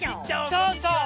そうそう。